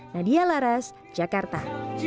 nadia laras jakarta